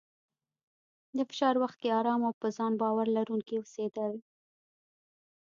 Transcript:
د فشار وخت کې ارام او په ځان باور لرونکی اوسېدل،